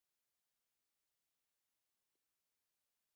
Epuka kutumia wafanyakazi kutoka sehemu tofauti